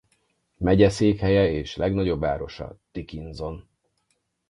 Megyeszékhelye és legnagyobb városa Dickinson.